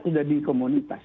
sudah di komunitas